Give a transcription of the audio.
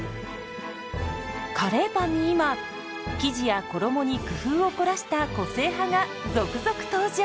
カレーパンに今生地や衣に工夫を凝らした個性派が続々登場！